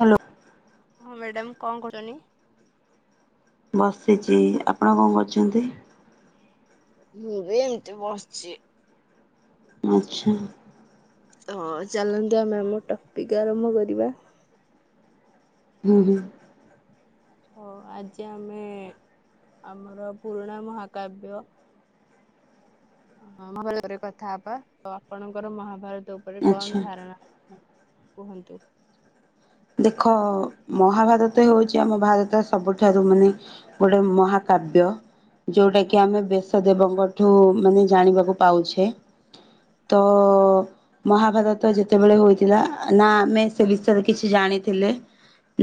Hello. Madam କଣ କରୁଛନ୍ତି? ବସିଛି। ଆପଣ କଣ କରୁଛନ୍ତି? ମୁଁ ବି ଏମିତି ବସିଛି। ଆଚ୍ଛା। ହଁ ଚାଲନ୍ତୁ ଆମେ ଆମ ଟପିକ୍ ଆରମ୍ଭ କରିବା। ହୁଁ- ହୁଁ। ତ ଆଜି ଆମେ ଆମର ପୁରୁଣା ମହାକାବ୍ୟ ହ ମହାଭାରତ ଉପରେ କଥା ହବା, ତ ଆପଣଙ୍କର ମହାଭାରତ ଉପରେ କଣ ଆଚ୍ଛା। ଧାରଣା? କୁହନ୍ତୁ? ଦେଖ ମହାଭାରତ ହେଉଛି, ଆମ ଭାରତ ସବୁଠାରୁ ମାନେ ଗୋଟେ ମହାକାବ୍ୟ। ଯୋଉଟା କି ଆମେ ବେଶ ଦେବଙ୍କଠୁ ମାନେ ଜାଣିବାକୁ ପାଉଛେ। ତ ମହାଭାରତ ଯେତେବେଳେ ହୋଇଥିଲା, ନା ଆମେ ସେ ବିଷୟରେ କିଛି ଜାଣିଥିଲେ,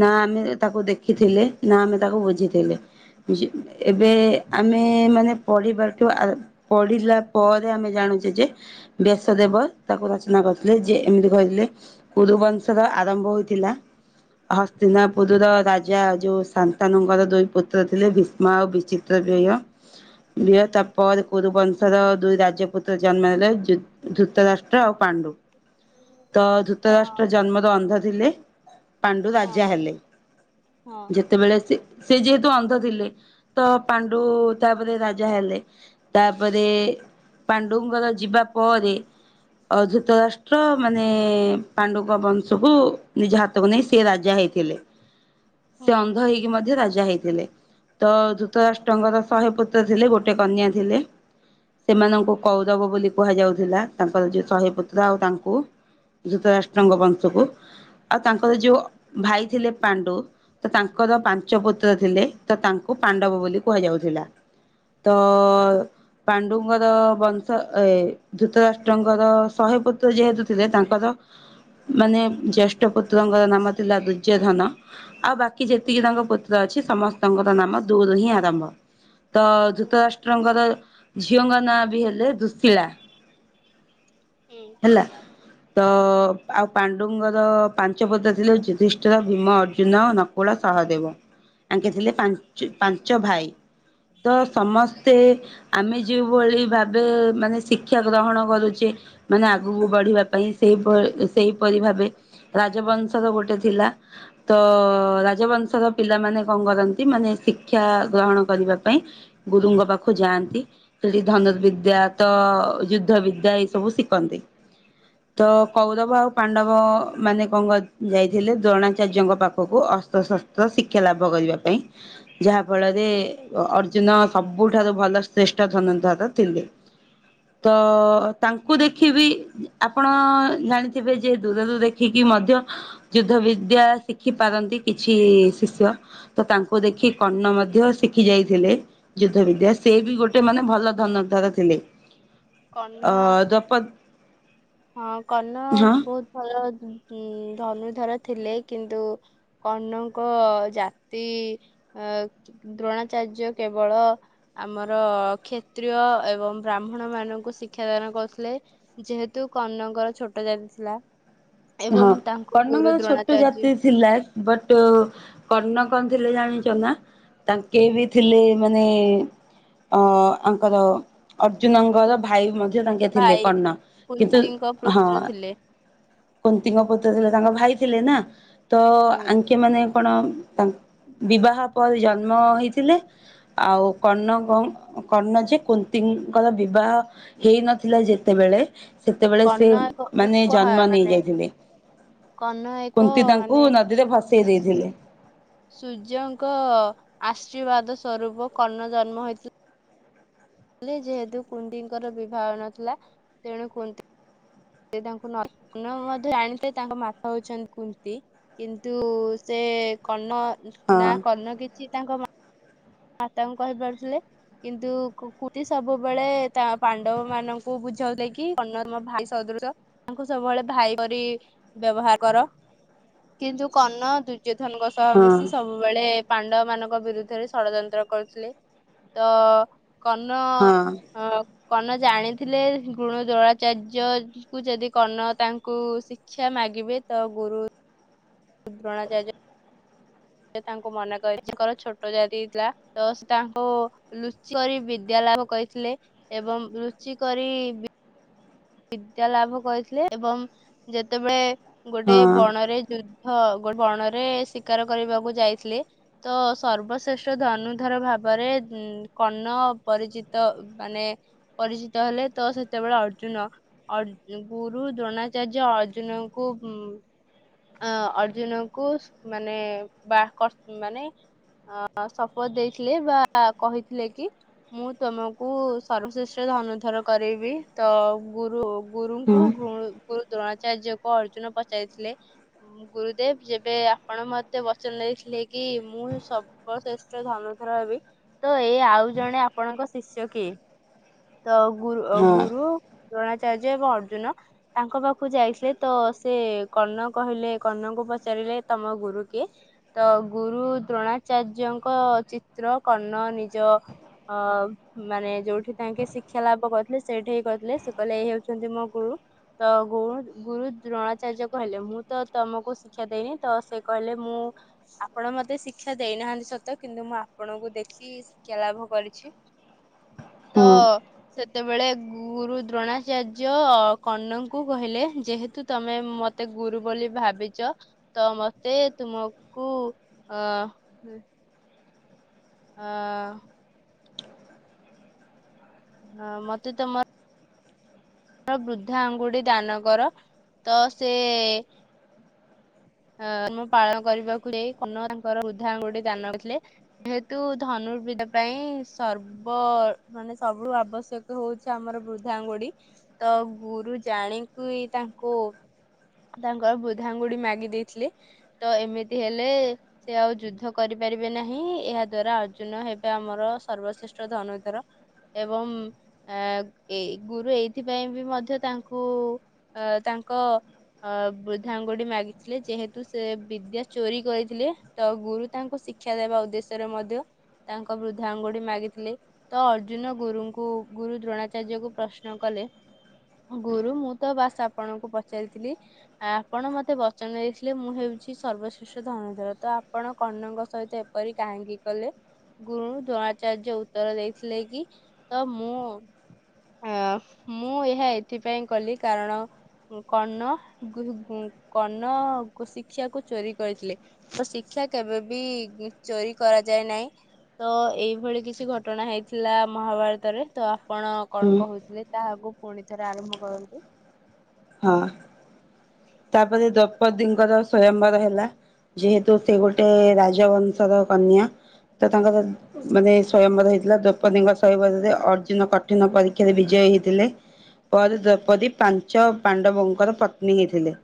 ନା ଆମେ ତାକୁ ଦେଖିଥିଲେ, ନା ଆମେ ତାକୁ ବୁଝିଥିଲେ। [unintelligible] ଏବେ ଆମେ ମାନେ ପଢ଼ିବାଠୁ ପଢିଲା ପରେ ଆମେ ଜାଣୁଛେ ଯେ ବ୍ୟାସଦେବ ତାକୁ ରଚନା କରିଥିଲେ, ଯେ ଏମିତି କହିଥିଲେ କୁରୁବଂଶର ଆରମ୍ଭ ହୋଇ ଥିଲା। ହସ୍ତିନାପୁର ର ରାଜା ଯୋଉ ଶନ୍ତାନୁଙ୍କର ଦୁଇ ପୁତ୍ର ଥିଲେ ଭୀଷ୍ମ ଆଉ ବିଚି [unintelligible] ତାପରେ କୁରୁବଂଶର ଦୁଇ ରାଜପୁତ୍ର ଜନ୍ମ ହେଲେ ଧୂତରାଷ୍ଟ୍ର ଆଉ ପାଣ୍ଡୁ। ତ ହଁ ଧୂତରାଷ୍ଟ୍ର ଜନ୍ମରୁ ଅନ୍ଧ ଥିଲେ। ପାଣ୍ଡୁ ହଁ ରାଜା ହେଲେ। ହଁ ଯେ ସେତେବେଳେ ସେ ସେ ଯେହେତୁ ଅନ୍ଧ ଥିଲେ ତ ପାଣ୍ଡୁ ହୁଁ ତାପରେ ରାଜା ହେଲେ। ତାପରେ ପାଣ୍ଡୁଙ୍କର ଯିବା ପରେ ଅଧୂତ ରାଷ୍ଟ୍ର ମାନେ ପାଣ୍ଡୁଙ୍କ ବଂଶକୁ ନିଜ ହାତକୁ ନେଇ ସେ ରାଜା ହେଇଥିଲେ। ସେ ହୁଁ ଅନ୍ଧ ହେଇକି ମଧ୍ୟ ରାଜା ହେଇଥିଲେ। ତ ଧୁତରାଷ୍ଟ୍ରଙ୍କର ଶହେ ପୁତ୍ର ଥିଲେ ଗୋଟେ କନ୍ୟା ଥିଲେ। ସେମାନଙ୍କୁ କୌରବ ବୋଲି କୁହାଯାଉଥିଲା ତାଙ୍କର ଯୋଉ ଶହେ ପୁତ୍ର ଆଉ ତାଙ୍କୁ। ଧୂତରାଷ୍ଟ୍ରଙ୍କ ବଂଶକୁ। ଆଉ ତାଙ୍କର ଯୋଉ ଭାଇ ଥିଲେ ପାଣ୍ଡୁ ତ ତାଙ୍କର ପାଞ୍ଚ ପୁତ୍ର ଥିଲେ ତ ତାଙ୍କୁ ପାଣ୍ଡବ ବୋଲି କୁହାଯାଉଥିଲା। ତ ହୁଁ ପାଣ୍ଡୁଙ୍କୁ ର ବଂଶ ଏ ଧୃତରାଷ୍ଟ୍ରଙ୍କର ଶହେ ପୁତ୍ର ଯେହେତୁ ଥିଲେ ତାଙ୍କର ମାନେ ଜ୍ୟେଷ୍ଠ ପୁତ୍ରଙ୍କର ନାମ ଥିଲା ଦୁର୍ଯ୍ୟୋଧନ। ଆଉ ବାକି ଯେତିକି ତାଙ୍କ ପୁତ୍ର ଅଛି ସମସ୍ତଙ୍କର ନାମ ଦୂ ରୁ ହିଁ ଆରମ୍ଭ। ତ ଧୂତରାଷ୍ଟ୍ରଙ୍କର ଝିଅଙ୍କ ନାଁ ବି ହେଲେ ଦୁଶୀଳା। ହୁଁ ହେଲା। ତ ଆଉ ପାଣ୍ଡୁଙ୍ଗର ପାଞ୍ଚ ପୁତ୍ର ଥିଲେ ଯୁଧିଷ୍ଠର, ଭୀମ, ଅର୍ଜୁନ, ନ କୁଳ, ସହଦେବ। [inaudible] ଆଙ୍କେ ଥିଲେ ପାଞ୍ଚ ପାଞ୍ଚ ଭାଇ ତ ସମସ୍ତେ ଆମେ ଯେଉଁଭଳି ଭାବେ ମାନେ ଶିକ୍ଷା ଗ୍ରହଣ କରୁଚେ ମାନେ ଆଗକୁ ବଢିବା ପାଇଁ ସେଇପ ସେଇପରି ଭାବେ ରାଜବଂଶର ଗୋଟେ ଥିଲା। ତ ରାଜବଂଶର ପିଲାମାନେ କଣ କରନ୍ତି ମାନେ ଶିକ୍ଷା ଗ୍ରହଣ କରିବା ପାଇଁ ଗୁରୁଙ୍କ ପାଖକୁ ଯାଆନ୍ତି ସେଠି ଧନୁର୍ବିଦ୍ୟା ତ ଯୁଦ୍ଧ ବିଦ୍ୟା ଏଇ ସବୁ ଶି ଖନ୍ତି ତ କୌରବ ଆଉ ପାଣ୍ଡବ ମାନେ କଣ କ ଯାଇଥିଲେ ଦ୍ରୋଣାଚାର୍ଯ୍ୟଙ୍କ ପାଖକୁ ଅସ୍ତ୍ରଶସ୍ତ୍ର ଶିକ୍ଷା ଲାଭ କରିବା ପାଇଁ। ଯାହା ଫଳରେ ଅର୍ଜୁନ ସବୁଠାରୁ ଭଲ ଶ୍ରେଷ୍ଠ ଧନୁର୍ଦ୍ଧର ଥିଲେ। ତ ତାଙ୍କ କୁ ଦେଖିବି ଆପଣ ଜାଣିଥିବେ ଯେ ଦୂରରୁ ଦେଖିକି ମଧ୍ୟ ଯୁଦ୍ଧ ବିଦ୍ୟା ଶିଖି ପାରନ୍ତି କିଛି ଶିଷ୍ୟ ତ ତାଙ୍କୁ ଦେଖି କର୍ଣ୍ଣ ମଧ୍ୟ ଶିଖି ଯାଇଥିଲେ। ଯୁଦ୍ଧ ବିଦ୍ୟା ସେ ବି ଗୋଟେ ମାନେ ଭଲ ଧନୁର୍ଦ୍ଧର ଥିଲେ। କର୍ଣ୍ଣ ଅ ଦ୍ରୌପ ହଁ କର୍ଣ୍ଣ ହଁ। ବୋହୁତ୍ ଭଲ ଉଁ ଧନୁର୍ଦ୍ଧର ଥିଲେ କିନ୍ତୁ କର୍ଣ୍ଣଙ୍କ ଜାତି ଅ ଦ୍ରୋଣାଚାର୍ଯ୍ୟ କେବଳ ଆମର କ୍ଷତ୍ରିୟ ଏବଂ ବ୍ରାହ୍ମଣ ମାନ ଙ୍କୁ ଶିକ୍ଷାଦାନ କରୁଥିଲେ। ଯେହେତୁ କର୍ଣ୍ଣଙ୍କର ଛୋଟ ଜାତି ଥିଲା। ହଁ ଏବଂ ତାଙ୍କୁ ଗୁରୁ କର୍ଣ୍ଣଙ୍କର ଛୋଟ ଦ୍ରୋଣାଚାର୍ଯ୍ୟ ଜାତି ଥିଲା ବଟ୍ କର୍ଣ୍ଣ କଣ ଥିଲେ ଜାଣିଚ ନା? ତାଙ୍କେ ବି ଥିଲେ ମାନେ ଅ ଆଙ୍କର ଅର୍ଜୁନଙ୍କର କୁ- ଭାଇ ମଧ୍ୟ ତାଙ୍କେ ଥିଲେ ଭାଇ କର୍ଣ୍ଣ କିନ୍ତୁ କୁନ୍ତିଙ୍କ ହଁ। ପୁତ୍ର ଥିଲେ କୁନ୍ତିଙ୍କ ପୁତ୍ର ଥିଲେ ତାଙ୍କ ଭାଇ ଥିଲେ ନା ତ ହୁଁ ଆଙ୍କେ ମାନେ ଆପଣ ତା ବିବାହ ପରେ ଜନ୍ମ ହେଇଥିଲେ। ଆଉ କର୍ଣ୍ଣ କୋ କର୍ଣ୍ଣ ଯେ କୁନ୍ତିଙ୍କର ବିବାହ ହେଇ ନଥିଲା ଯେତେବେଳେ ସେତେବେଳେ ସେ କର୍ଣ୍ଣ ଏକ ମାନେ ଉପହାର ଜନ୍ମ ମାନେ ନେଇଯାଇ ଥିଲେ। କର୍ଣ୍ଣ ଏକ କୁନ୍ତି ମାନେ ତାଙ୍କୁ ନଦୀରେ ଭସେଇ ଦେଇଥିଲେ। ସୂର୍ଯ୍ୟଙ୍କ ଆଶୀର୍ବାଦ ସ୍ୱରୂପ କର୍ଣ୍ଣ ଜନ୍ମ ହେଇଥି ଲେ। ଯେହେତୁ କୁନ୍ତିଙ୍କର ବିବାହ ହୋଇନଥିଲା ତେଣୁ କୁନ୍ତି ସେ ତାଙ୍କୁ ନଗ୍ନ ମଧ୍ୟ ଜାଣିଥିଲେ ତାଙ୍କ ମାତା ହୋଉଛନ୍ତି କୁନ୍ତି। କିନ୍ତୁ ସେ କର୍ଣ୍ଣ ହଁ ନା କର୍ଣ୍ଣ କିଛି ତାଙ୍କ ମା ତାଙ୍କୁ କହିପାରୁଥିଲେ। କିନ୍ତୁ କୁନ୍ତି ସବୁବେଳେ ତା ପାଣ୍ଡବ ମାନଙ୍କୁ ବୁଝାଉଥିଲେ କି କର୍ଣ୍ଣ ତମ ଭାଇ ସଦୃଶ। ତାଙ୍କୁ ସବୁବେଳେ ଭାଇ କରି ବ୍ୟବହାର କର। କିନ୍ତୁ କର୍ଣ୍ଣ ଦୁର୍ଯ୍ୟଧନଙ୍କ ସହ ହଁ ମିଶି ସବୁବେଳେ ପାଣ୍ଡବ ମାନଙ୍କ ବିରୁଦ୍ଧରେ ଷଡଯନ୍ତ୍ର କରୁଥିଲେ ତ କର୍ଣ୍ଣ ହଁ ଅ କର୍ଣ୍ଣ ଜାଣିଥିଲେ ଗୁରୁ ଦ୍ରୋଣାଚାର୍ଯ୍ୟ କୁ ଯଦି କର୍ଣ୍ଣ ତାଙ୍କୁ ଶିକ୍ଷା ମାଗିବେ ତ ଗୁରୁ ଦ୍ରୋଣାଚାର୍ଯ୍ୟ ସେ ତାଙ୍କୁ ମନା କରିଚି ତାଙ୍କର ଛୋଟ ଜାତି ଥିଲା ତ ସେ ତାଙ୍କୁ ଲୁଚି କରି ବିଦ୍ୟା ଲାଭ କରିଥିଲେ ଏବଂ ଲୁଚି କରି ବିଦ୍ୟା ଲାଭ କରିଥିଲେ ଏବଂ ଯେତେବେଳେ ଗୋଟେ ହଁ ବଣରେ ଯୁ ହଁ ଗୋଟେ ବଣରେ ଶିକାର କରିବାକୁ ଯାଇଥିଲେ। ତ ସର୍ବଶ୍ରେଷ୍ଠ ଧନୁର୍ଦ୍ଧର ଭାବରେ ଉ କର୍ଣ୍ଣ ପରିଚିତ। ମାନେ ପରିଚିତ ହେଲେ ତ ସେତେବେଳେ ଅର୍ଜୁନ ଅର୍ଜୁ ଗୁରୁ ଦ୍ରୋଣାଚାର୍ଯ୍ୟ ଅର୍ଜୁନଙ୍କୁ ଅଁ ଅର୍ଜୁନକୁ ମାନେ ବା କର ମାନେ ଆଃ ଶପଥ ଦେଇଥିଲେ ବା କହିଥିଲେ କି ମୁଁ ତମକୁ ସର୍ବଶ୍ରେଷ୍ଠରେ ଧନୁର୍ଦ୍ଧର କରେଇବି ତ ଗୁରୁ ହୁଁ ଗୁରୁଙ୍କୁ ଗୁରୁ ଦ୍ରୋଣାଚାର୍ଯ୍ୟଙ୍କୁଅର୍ଜୁନ ପଚାରିଥିଲେ। ଗୁରୁଦେବ ଯେବେ ଆପଣ ମତେ ବଚନ ଦେଇଥିଲେ କି ମୁଁ ସବୁ ସର୍ବଶ୍ରେଷ୍ଠ ଧନୁର୍ଦ୍ଧର ହେବି ତ ଏଇ ଆଉ ଜଣେ ଆପଣଙ୍କ ଶିଷ୍ୟ କିଏ? ତ ଗୁରୁ ହଁ ଗୁରୁ ଦ୍ରୈଣାଚାର୍ଯ୍ୟ ଏବଂ ଅର୍ଜୁନ ତାଙ୍କ ପାଖକୁ ଯାଇଥିଲେ ତ ସେ କର୍ଣ୍ଣ କହିଲେ କର୍ଣ୍ଣଙ୍କୁ ପଚାରିଲେ ତମ ଗୁରୁ କିଏ? ତ ଗୁରୁ ଦ୍ରୋଣାଚାର୍ଯ୍ୟଙ୍କ ଚିତ୍ର କର୍ଣ୍ଣ ନିଜ ଅ-ମାନେ ଯୋଉଠି ତାଙ୍କେ ଶିକ୍ଷା ଲାଭ କରିଥିଲେ ସେଇଠି ହି କହିଥିଲେ। କହିଲେ ଏଇ ହେଉଛନ୍ତି ମୋ ଗୁରୁ। ତ ଗରୁ ଗୁରୁ ଦ୍ରୋଣାଚାର୍ଯ୍ୟ କହିଲେ, ମୁଁ ତ ତମକୁ ଶିକ୍ଷା ଦେଇନି ତ ସେ କହିଲେ ମୁଁ ଆପଣ ମତେ ଶିକ୍ଷା ଦେଇନାହାନ୍ତି ସତ, କିନ୍ତୁ ମୁଁ ଆପଣଙ୍କୁ ଦେଖି କି ଶିକ୍ଷା ଲାଭ କରିଛି, ତ ହୁଁ ସେତେବେଳେ ଗୁରୁ ଦ୍ରୋଣାଚାର୍ଯ୍ୟ କର୍ଣ୍ଣ ଙ୍କୁ କହିଲେ ଯେହେତୁ ତମେ ମତେ ଗୁରୁ ବୋଲି ଭାବିଛ ତ ମତେ ତୁମକୁ ଅ ଅ ହଁ ମତେ ତମ ବୃଦ୍ଧା ଆଙ୍ଗୁଠି ଦାନ କର ତ ସେ ଅ ମୁଁ ପାଳନ କରିବାକୁ ଯାଇ କର୍ଣ୍ଣ ତାଙ୍କର ରୃଦ୍ଧା ଆଙ୍ଗୁଠି ଦାନ କରିଥିଲେ ଥିଲେ। ଯେହେତୁ ଧନୁର୍ବିଦ୍ୟା ପାଇଁ ସର୍ବ ବ ମାନେ ସବୁୁଠୁ ଆବଶ୍ୟକ ହେଉଛି ଆମର ବୃଦ୍ଧାଙ୍ଗୁଡି। ତ ଗୁରୁ ଜାଣିକି ତାଙ୍କୁ ତାଙ୍କର ବୃଧାଆଙ୍ଗୁଠି ମାଗି ଦେଇଥିଲି ତ ଏମିତି ହେଲେ ସେ ଆଉ ଯୁଦ୍ଧ କରିପାରିବେ ନାହିଁ ଏହା ଦ୍ଵାରା ଅର୍ଜୁନ ହେବେ ଆମର ସର୍ବଶ୍ରେଷ୍ଠ ଧନୁର୍ଦ୍ଧର। ଏବଂ ଆ ଏ ଗୁରୁ ଏଇଥିପାଇଁ ବି ମଧ୍ୟ ତାଙ୍କୁ ତାଙ୍କ ଆ ବୃଦ୍ଧାଙ୍ଗୁଠି ମାଗିଥିଲେ ଯେହେତୁ ସେ ବିଦ୍ୟା ଚୋରି କରିଥିଲେ। ତ ଗୁରୁ ତାଙ୍କୁ ଶିକ୍ଷା ଦେବା ଉଦ୍ଦେଶ୍ୟରେ ମଧ୍ୟ ତାଙ୍କ ବୃଦ୍ଧା ଆଙ୍ଗୁଠି ମାଗିଥିଲେ। ତ ଅର୍ଜୁନ ଗୁରୁଙ୍କୁ ଗୁରୁ ଦ୍ରୋଣାଚାର୍ଯ୍ୟ କୁ ପ୍ରଶ୍ନ କଲେ। ଗୁରୁ, ମୁଁ ତ ବାସ ଆପଣଙ୍କୁ ପଚାରିଥିଲି ଆପଣ ମତେ ବଚନ ଦେଇଥିଲେ ମୁଁ ହେଉଛି ସର୍ବଶ୍ରେଷ୍ଠ ଧନୁର୍ଦ୍ଧର ତ ଆପଣ କର୍ଣ୍ଣଙ୍କ ସହିତ ଏପରି କାହିଁକି କଲେ? ଗୁରୁ ଦ୍ରୋଣାଚାର୍ଯ୍ୟ ଉତ୍ତର ଦେଇଥିଲେ କି ତ ମୁଁ ହଁ ମୁଁ ଏହା ଏଥିପାଇଁ କଲି କାରଣ କର୍ଣ୍ଣ ଗୁରୁ କର୍ଣ୍ଣ କୁ ଶିକ୍ଷାକୁ ଚୋରି କରିଥିଲେ। ତ ଶିକ୍ଷା କେବେ ବିି ଚୋରି କରାଯାଏ ନାହିଁ। ତୋ ଏଇଭଳି କିଛି ଘଟଣା ହେଇଥିଲା ମହାଭାରତରେ ତ ଆପଣ ହୁଁ କଣ କହୁଥିଲେ ତାହାକୁ ପୁଣି ଥରେ ଆରମ୍ଭ କରନ୍ତୁ। ହଁ, ତାପରେ ଦ୍ରୌପଦୀଙ୍କର ସ୍ଵୟମ୍ବର ହେଲା। ଯେହେତୁ ସେ ଗୋଟେ ରାଜବଂଶର କନ୍ୟା ତ ତାଙ୍କର ମାନେ ସ୍ଵୟମ୍ବର ହେଇଥିଲା ଦ୍ରୌପଦୀଙ୍କ ସ୍ବାୟମ୍ବର ରେଅର୍ଜୁନ କଠିନ ପରୀକ୍ଷାରେ ବିଜୟ ହେଇଥିଲେ। ପରେ ଦ୍ରୌପଦୀ ପାଞ୍ଚ ପାଣ୍ଡବଙ୍କର ପତ୍ନୀ ହେଇଥିଲେ।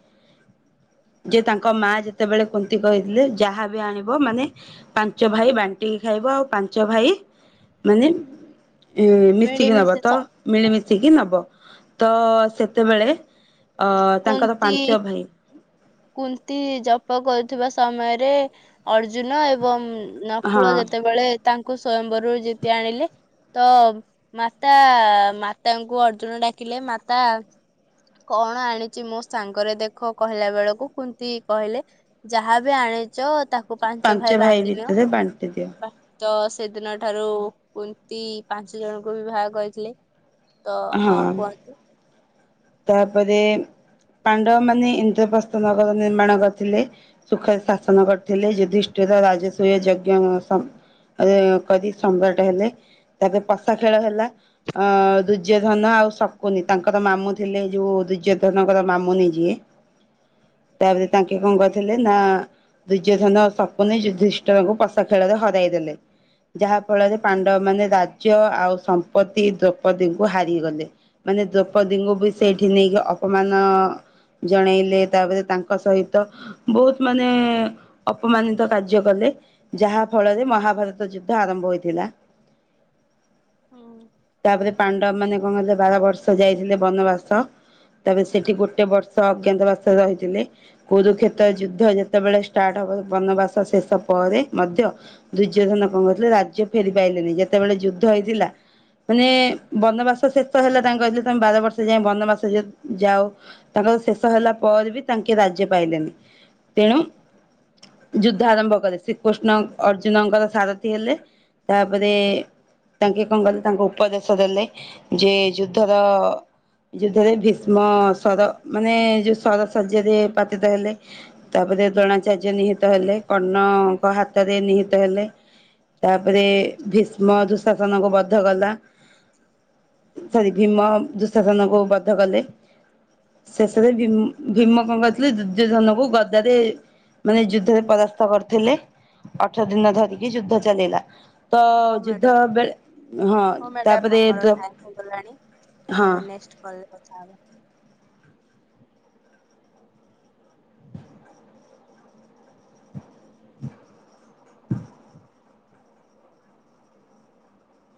ଯେ ତାଙ୍କ ମା ଯେତେବେଳେ କୁନ୍ତି କହିଥିଲେ ଯାହାବି ଆଣିବ ମାନେ ପାଞ୍ଚ ଭାଇ ବାଣ୍ଟିକି ଖାଇବ ଆଉ ପାଞ୍ଚ ଭାଇ- ମାନେ ଏ ମିଶିକି ନବ ମିଳିମିଶି ତ ଥ ମିଳିମିଶିକି ନବ ତ ସେତେବେଳେ ଅ ତାଙ୍କର କୁନ୍ତି ପାଞ୍ଚ ଭାଇ। କୁନ୍ତି ଜପ କରୁଥିବା ସମୟରେ ଅର୍ଜୁନ ଏବଂ ହଁ ନକୁଳ ଯେତେବେଳେ ତାଙ୍କୁ ସ୍ଵୟମ୍ବରରୁ ଯେତି ଆଣିଲେ ତ ମାତା ମାତାଙ୍କୁ ଅର୍ଜୁନ ଡାକିଲେ ମାତା। କଣ ଆଣିଛି ମୋ ସାଙ୍ଗରେ ଦେଖ କହିଲା ବେଳକୁ କୁନ୍ତି କହିଲେ ଯାହାବ ଆଣିଛ ତାକୁ ପାଞ୍ଚ ଭାଇ ବାଣ୍ଟିନିଅ। ଭିତରେ ବାଣ୍ଟି ଦିଅ ତ ସେଦିନ ଠାରୁ କୁନ୍ତି ପାଞ୍ଚ ଜଣଙ୍କୁ ବିିବାହ କରିଥିଲେ। ତ ହଁ କୁହନ୍ତୁ। ତାପରେ ପାଣ୍ଡବ ମାନେ ଇନ୍ଦ୍ରପ୍ରସ୍ଥ ନଗର ନିର୍ମାଣ କରିଥିଲେ। ସୁଖରେ ଶାସନ କରିଥିଲେ ଯଧିଷ୍ଠର ରାଜସ୍ଵୟ ଯଜ୍ଞ ଆରେ କଦି ସମ୍ରାଟ ହେଲେ ତାପରେ ପଷା ଖେଳ ହେଲା ଅ ଦୁର୍ଯ୍ୟଧନ ଧନ ଆଉ ଶକୁନି ତାଙ୍କର ମାମୁଁ। ଥିଲେ ଯୋଉ ଦୁର୍ଯ୍ୟୋଧନଙ୍କର ମାମୁନି ଯିଏ। ତାପରେ ତାଙ୍କେ କଣ କରିଥିଲେ ନା ଦୁର୍ଯ୍ୟଧନ ଶକୁନି ଯୁଧିଷ୍ଠରଙ୍କୁ ପସା ଖେଳରେ ହରାଇ ଦେଲେ। ଯାହା ଫଳରେ ପାଣ୍ଡବ ମାନେ ଆଉ ସମ୍ପତି ଦ୍ରୌପଦୀଙ୍କୁ ହାରିଗଲେ ମାନେ ଦ୍ରୌପଦୀଙ୍କୁ ବି ସେଇଠି ନେଇକି ଅପମାନ ଜଣେଇଲେ ତାପରେ ତାଙ୍କ ସହିତ ବହୁତ ମାନେ ଅପମାନିତ କାର୍ଯ୍ୟ କଲେ। ଯାହା ଫଳରେ ମହାଭାରତ ଯୁଦ୍ଧ ଆରମ୍ଭ ହୋଇଥିଲା। ହୁଁ। ତାପରେ ପାଣ୍ଡବ ମାନେ କଣ ହେଲେ ବାର ବର୍ଷ ଯାଇଥିଲେ ବନବାସ। ତ ସେଠି ଗୋଟେ ବର୍ଷ ଅଜ୍ଞାତବାସରେ ରହିଥିଲେ। କୁରୁକ୍ଷେତ ଯୁଦ୍ଧ ଯେତେବେଳେ ଷ୍ଟାର୍ଟ ହବ ବନବାସ ଶେଷ ପରେ ମଧ୍ୟ ଦୁର୍ଯ୍ୟଧନ କଣ କରିଥିଲେ ରାଜ୍ୟ ଫେରି ପାଇଲେନି ଯେତେବେଳେ ଯୁଦ୍ଧ ହେଇଥିଲା। ମାନେ ବନବାସ ଶେଷ ହେଲା ତାଙ୍କେ କହିଲେ ତମେ ବାର ବର୍ଷ ଯାଏ ବନବାସ ଯ ଯାଉ ତାଙ୍କର ଶେଷ ହେଲା ପରେ ବି ତାଙ୍କେ ରାଜ୍ୟ ପାଇଲେନି। ତେଣୁ ଯୁଦ୍ଧ ଆରମ୍ଭ କଲେ। ଶ୍ରୀକୃଷ୍ଣ ଅର୍ଜୁନଙ୍କର ସାରଥୀ ହେଲେ ତାପରେ ତାଙ୍କେ କଣ କଲେ ତାଙ୍କ ଉପଦେଶ ଦେଲେ ଯେ ଯୁଦ୍ଧର ଯୁଦ୍ଧରେ ଭୀଷ୍ମ ସର ମାନେ ଯୋଉ ସର ଶଯ୍ୟାରେ ପାତିତ ହେଲେ। ତାପରେ ଦ୍ରୋଣାଚାର୍ଯ୍ୟ ନିହିତ ହେଲେ କର୍ଣ୍ଣ ଙ୍କ ହାତରେ ନିହିତ ହେଲେ। ତାପରେ ଭୀଷ୍ମ ଦୁଃଶାସନକୁ ବଦ୍ଧ କଲା। ସରି ଭୀମ ଦୁଶାସନକୁ ବଧ କଲେ। ଶେଷରେ ଭୀମ କଣ କରିଥିଲେ ଦୁର୍ଯ୍ୟଧନ କୁ ଗଦା ରେ ମାନେ ଯୁଦ୍ଧରେ ପରାସ୍ତ କରିଥିଲେ ଅଠର ଦିନ ଧରିକି ଯୁଦ୍ଧ ଚାଲିଲା। ତ ହଉ ଯୁଦ୍ଧ ମ୍ୟାଡାମ ବେଳେ ହଁ ହଉ ମ୍ୟାଡାମ ତାପରେ ଆମର ଟାଇମ ହେଇଗଲାଣି। ହଁ ଆମେ ନେକ୍ସଟ୍ କଲ୍ ରେ କଥା ହବା